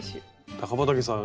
高畠さん